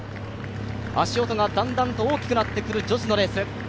足音がだんだんと大きくなってくる女子のレース。